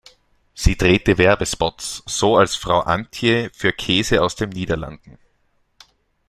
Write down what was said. Sie drehte Werbespots, so als "Frau Antje" für Käse aus den Niederlanden.